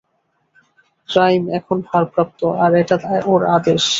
Rhyme এখন ভারপ্রাপ্ত, আর এটা ওর আদেশ।